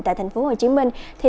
tại thành phố hồ chí minh